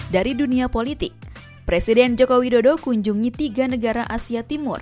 dari dunia politik presiden joko widodo kunjungi tiga negara asia timur